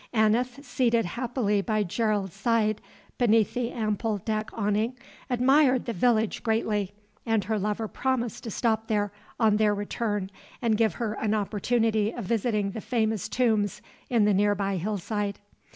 Aneth, seated happily by Gerald's side beneath the ample deck awning, admired the village greatly, and her lover promised to stop there on their return and give her an opportunity of visiting the famous tombs in the nearby hillside.